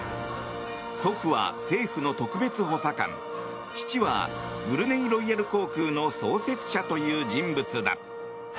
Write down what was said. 祖父は政府の特別補佐官父はブルネイロイヤル航空の創設者という人物だ。